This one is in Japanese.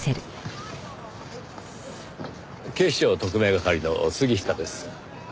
警視庁特命係の杉下です。